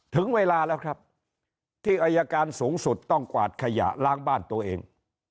ถึงเวลาแล้วครับที่อายการสูงสุดต้องกวาดขยะล้างบ้านตัวเอง